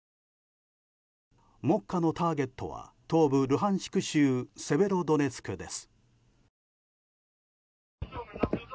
目下のターゲットは東部ルハンシク州セベロドネツクです。